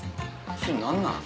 それ何なん？